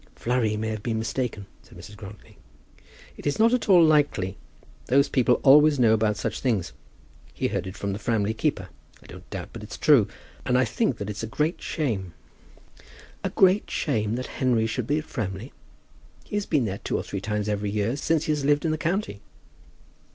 "Flurry may have been mistaken," said Mrs. Grantly. "It is not at all likely. Those people always know about such things. He heard it from the Framley keeper. I don't doubt but it's true, and I think that it's a great shame." "A great shame that Henry should be at Framley! He has been there two or three times every year since he has lived in the county."